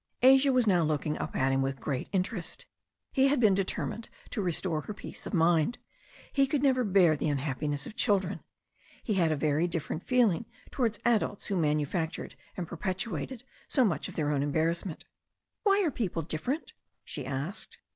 Asia was now looking up at him with great interest. He had been determined to restore her peace of mind. He could never bear the unhappiness of children. He had a very THE STORY OF A NEW ZEALAND RIVER 6^ different feeling towards adults who manufactured and per petuated so much of their own embarrassment. "Why are people different?" she asked.